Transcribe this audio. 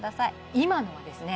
今のはですね